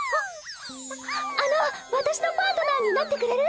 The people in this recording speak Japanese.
あの私のパートナーになってくれる？